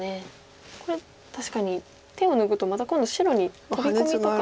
これ確かに手を抜くとまた今度白にトビ込みとか。